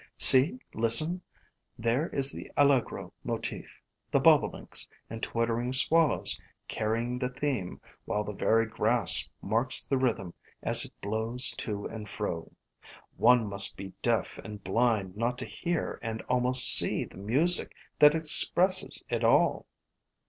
See — listen! there is the Allegro motif, the bobolinks and twittering swallows carrying the theme, while the very grass marks the rhythm as it blows to and fro. One must be deaf and blind not to hear and al most see the music that expresses it all."